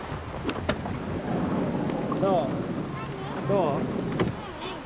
どう？